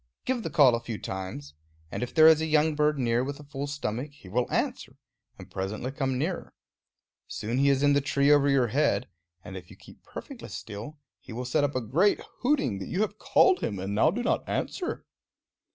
Give the call a few times, and if there is a young bird near with a full stomach, he will answer, and presently come nearer. Soon he is in the tree over your head, and if you keep perfectly still he will set up a great hooting that you have called him and now do not answer.